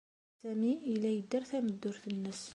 Sami yella yedder tameddurt-nnes.